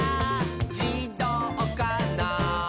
じどうかな？」